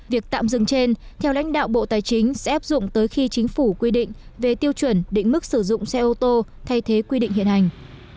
việc tạm dừng trên theo lãnh đạo bộ tài chính sẽ áp dụng tới khi chính phủ quy định về tiêu chuẩn định mức sử dụng xe ô tô thay thế quy định hiện hành